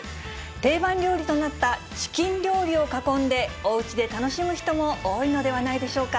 定番料理となったチキン料理を囲んでおうちで楽しむ人も多いのではないでしょうか。